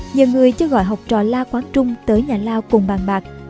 nhiều người cho gọi học trò la quán trung tới nhà lao cùng bàn bạc